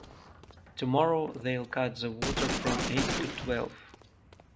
Tomorrow they’ll cut the water from eight to twelve.